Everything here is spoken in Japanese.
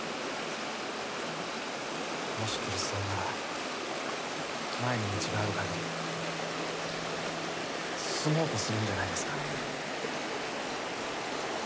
もし来栖さんなら前に道がある限り進もうとするんじゃないですか？